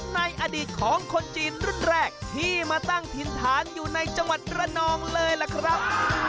ในอดีตของคนจีนรุ่นแรกที่มาตั้งถิ่นฐานอยู่ในจังหวัดระนองเลยล่ะครับ